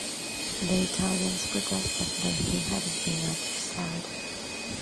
The Italians protested that he had been off-side.